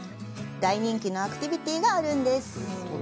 大人気のアクティビティがあるんです。